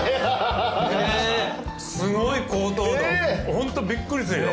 ホントびっくりするよ。